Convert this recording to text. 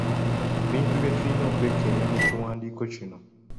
Ebintu bye tulina okwekenneenya mu kiwandiiko kino.